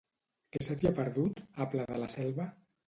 Què se t'hi ha perdut, a Pla de la Selva?